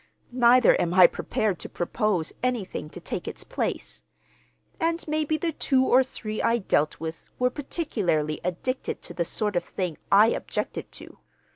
Neither am I prepared to propose anything to take its place. And maybe the two or three I dealt with were particularly addicted to the sort of thing I objected to.